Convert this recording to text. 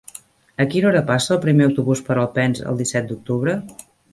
A quina hora passa el primer autobús per Alpens el disset d'octubre?